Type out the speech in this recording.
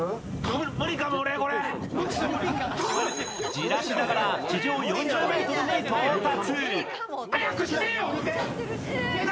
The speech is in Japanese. じらしながら、地上４０ｍに到達。